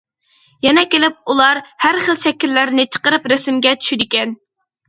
يەنە كېلىپ ئۇلار ھەر خىل شەكىللەرنى چىقىرىپ رەسىمگە چۈشىدىكەن.